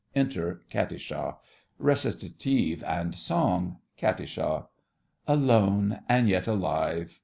Enter Katisha. RECITATIVE and SONG.—KATISHA. Alone, and yet alive!